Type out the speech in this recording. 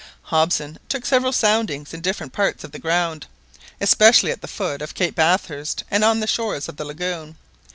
Hobson took several soundings in different parts of the ground, especially at the foot of Cape Bathurst, and on the shores of the lagoon.